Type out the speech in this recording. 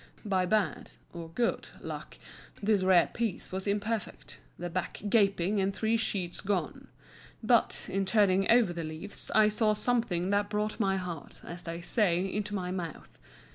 By bad (or good) luck this rare piece was imperfect—the back gaping and three sheets gone. But, in turning over the leaves, I saw something that brought my heart, as they say, into my mouth.